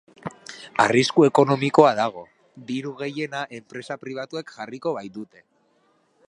Arrisku ekonomikoa dago, diru gehiena enpresa pribatuek jarriko baitute.